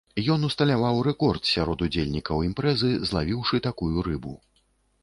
Ён усталяваў рэкорд сярод удзельнікаў імпрэзы, злавіўшы такую рыбу.